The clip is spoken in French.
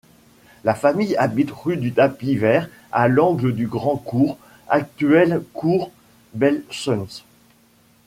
La famille habite rue du Tapis-Vert à l'angle du grand Cours, actuel Cours Belsunce.